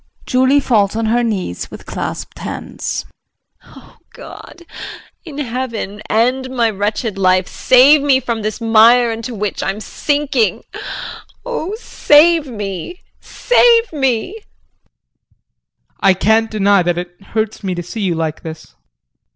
JULIE [Falls on her knees with clasped hands]. Oh, God in heaven, end my wretched life, save me from this mire into which I'm sinking Oh save me, save me. JEAN. I can't deny that it hurts me to see you like this.